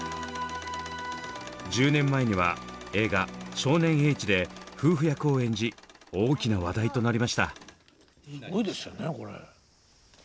１０年前には映画「少年Ｈ」で夫婦役を演じ大きな話題となりました。